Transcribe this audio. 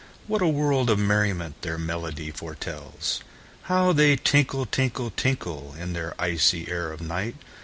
What a world of merriment their melody foretells! How they tinkle, tinkle, tinkle, In the icy air of night!